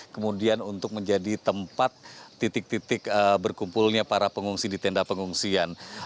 kemudian untuk menjadi tempat titik titik berkumpulnya para pengungsi di tenda pengungsian